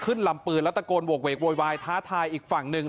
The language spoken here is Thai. ลำปืนแล้วตะโกนโหกเวกโวยวายท้าทายอีกฝั่งหนึ่ง